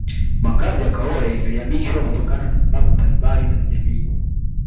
makazi ya kaole yalihamishwa kutokana na sababu mbalimba za kijamii